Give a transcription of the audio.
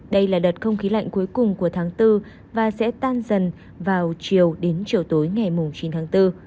đây là đợt không khí lạnh cuối cùng của tháng bốn và sẽ tan dần vào chiều đến chiều tối ngày chín tháng bốn